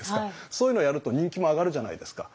そういうのをやると人気も上がるじゃないですか。